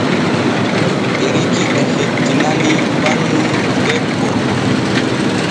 Eriki e hettinanii bannun debbo.